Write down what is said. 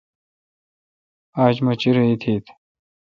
آج مہ چیرہ ایتیتھ ۔